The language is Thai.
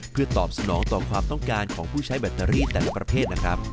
เพื่อตอบสนองต่อความต้องการของผู้ใช้แบตเตอรี่แต่ละประเภทนะครับ